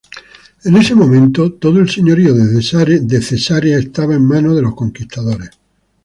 En ese momento, todo el señorío de Cesarea estaba en manos de los conquistadores.